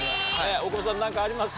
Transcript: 大久保さん何かありますか？